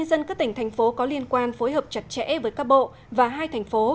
ubnd tp hà nội có liên quan phối hợp chặt chẽ với các bộ và hai thành phố